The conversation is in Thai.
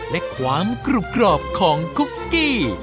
และความกรุบกรอบของคุกกี้